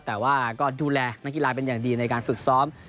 แต่ว่าก็ดูแลนักกีฬาเป็นอย่างดีในการฝึกซ้อม